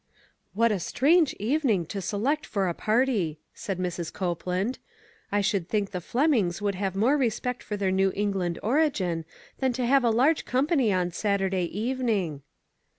"What a strange evening to select for a party," said Mrs. Copeland. " I should think the Flemings would have more respect for their New England origin than to have a large company on Saturday evening."